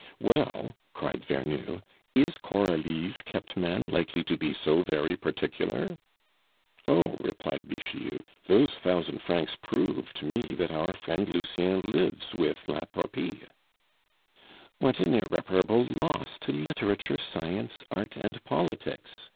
"Well," cried Vernou, "is Coralie's kept man likely to be so very particular?" "Oh!" replied Bixiou, "those thousand francs prove to me that our friend Lucien lives with La Torpille " "What an irreparable loss to literature, science, art, and politics!"